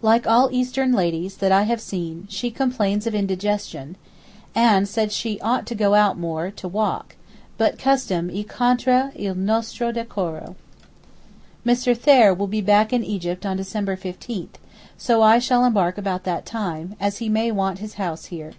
Like all Eastern ladies that I have seen she complains of indigestion, and said she knew she ought to go out more and to walk, but custom e contra il nostro decoro. Mr. Thayer will be back in Egypt on December 15, so I shall embark about that time, as he may want his house here.